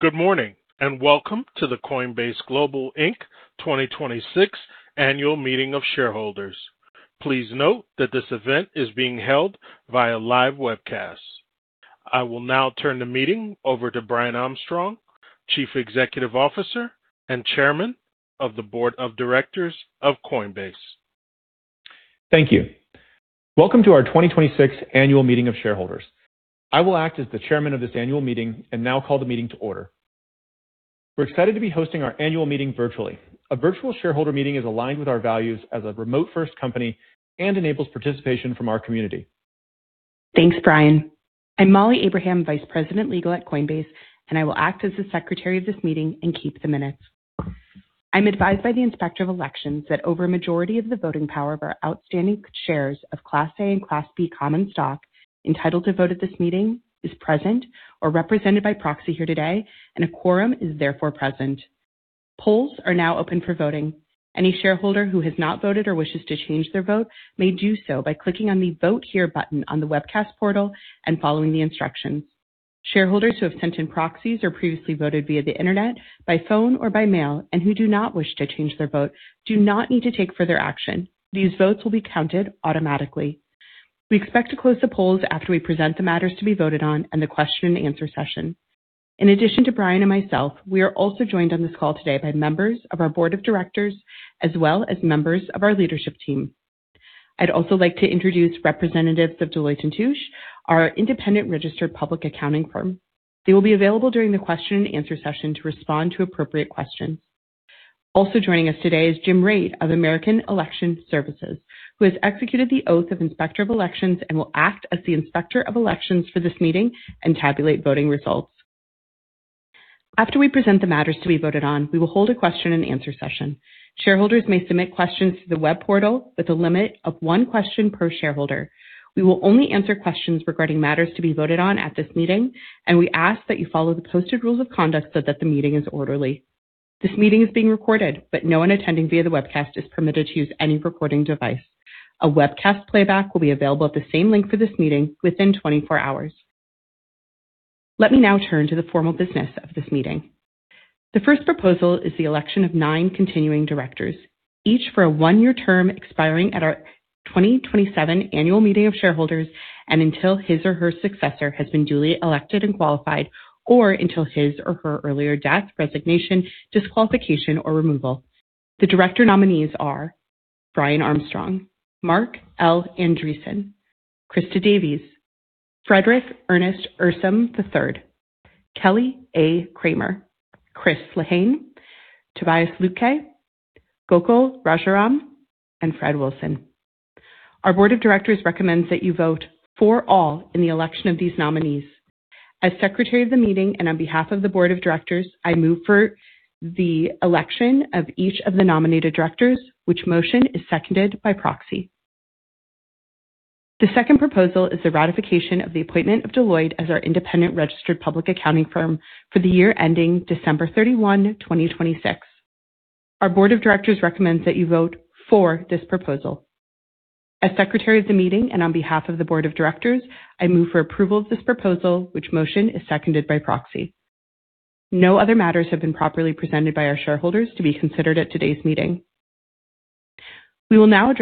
Good morning, and welcome to the Coinbase Global, Inc. 2026 Annual Meeting of Shareholders. Please note that this event is being held via live webcast. I will now turn the meeting over to Brian Armstrong, Chief Executive Officer and Chairman of the Board of Directors of Coinbase. Thank you. Welcome to our 2026 Annual Meeting of Shareholders. I will act as the chairman of this annual meeting and now call the meeting to order. We're excited to be hosting our annual meeting virtually. A virtual shareholder meeting is aligned with our values as a remote-first company and enables participation from our community. Thanks, Brian. I'm Molly Abraham, Vice President, Legal at Coinbase, and I will act as the Secretary of this meeting and keep the minutes. I'm advised by the Inspector of Elections that over a majority of the voting power of our outstanding shares of Class A and Class B common stock entitled to vote at this meeting is present or represented by proxy here today, and a quorum is therefore present. Polls are now open for voting. Any shareholder who has not voted or wishes to change their vote may do so by clicking on the Vote Here button on the webcast portal and following the instructions. Shareholders who have sent in proxies or previously voted via the internet, by phone, or by mail and who do not wish to change their vote do not need to take further action. These votes will be counted automatically. We expect to close the polls after we present the matters to be voted on and the question and answer session. In addition to Brian and myself, we are also joined on this call today by members of our board of directors, as well as members of our leadership team. I'd also like to introduce representatives of Deloitte & Touche, our independent registered public accounting firm. They will be available during the question and answer session to respond to appropriate questions. Also joining us today is Jim Rade of American Election Services, who has executed the oath of Inspector of Elections and will act as the Inspector of Elections for this meeting and tabulate voting results. After we present the matters to be voted on, we will hold a question and answer session. Shareholders may submit questions through the web portal with a limit of one question per shareholder. We will only answer questions regarding matters to be voted on at this meeting, and we ask that you follow the posted rules of conduct so that the meeting is orderly. This meeting is being recorded, but no one attending via the webcast is permitted to use any recording device. A webcast playback will be available at the same link for this meeting within 24 hours. Let me now turn to the formal business of this meeting. The first proposal is the election of nine continuing directors, each for a one-year term expiring at our 2027 Annual Meeting of Shareholders and until his or her successor has been duly elected and qualified, or until his or her earlier death, resignation, disqualification, or removal. The director nominees are Brian Armstrong, Marc L. Andreessen, Christina Davies, Frederick Ernest Ehrsam III, Kelly A. Kramer, Chris Lehane, Tobias Lütke, Gokul Rajaram, and Fred Wilson. Our board of directors recommends that you vote for all in the election of these nominees. As secretary of the meeting and on behalf of the board of directors, I move for the election of each of the nominated directors, which motion is seconded by proxy. The second proposal is the ratification of the appointment of Deloitte as our independent registered public accounting firm for the year ending December 31, 2026. Our board of directors recommends that you vote for this proposal. As secretary of the meeting and on behalf of the board of directors, I move for approval of this proposal, which motion is seconded by proxy. No other matters have been properly presented by our shareholders to be considered at today's meeting. Please note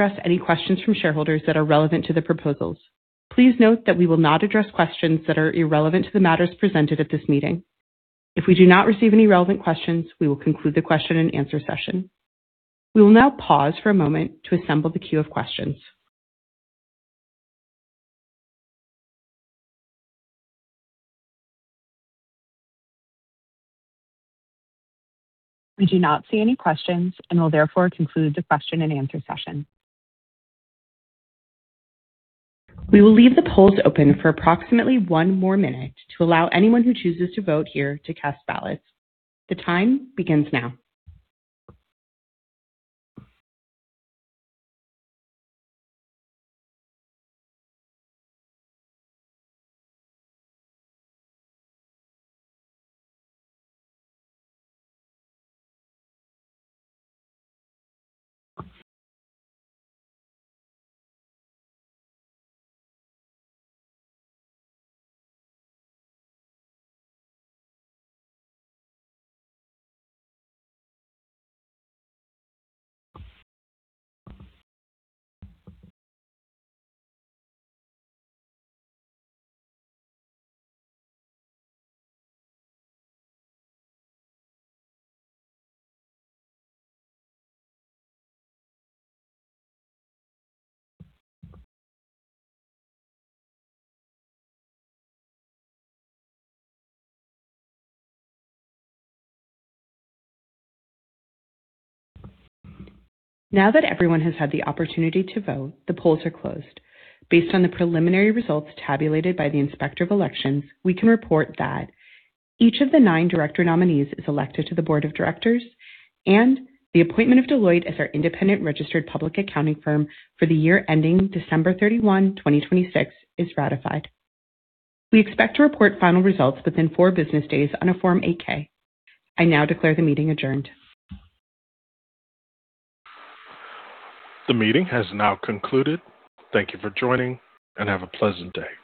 that we will not address questions that are irrelevant to the matters presented at this meeting. If we do not receive any relevant questions, we will conclude the question and answer session. We will now pause for a moment to assemble the queue of questions. We do not see any questions and will therefore conclude the question and answer session. We will leave the polls open for approximately one more minute to allow anyone who chooses to vote here to cast ballots. The time begins now. Now that everyone has had the opportunity to vote, the polls are closed. Based on the preliminary results tabulated by the Inspector of Elections, we can report that each of the nine director nominees is elected to the board of directors, and the appointment of Deloitte as our independent registered public accounting firm for the year ending December 31, 2026, is ratified. We expect to report final results within four business days on a Form 8-K. I now declare the meeting adjourned. The meeting has now concluded. Thank you for joining, and have a pleasant day.